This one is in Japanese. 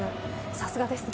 さすがですね。